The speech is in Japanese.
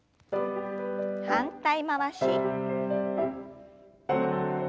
反対回し。